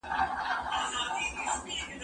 انځورونه رسم کړه؟